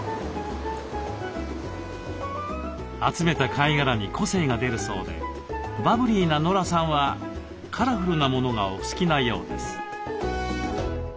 集めた貝殻に個性が出るそうでバブリーなノラさんはカラフルなものがお好きなようです。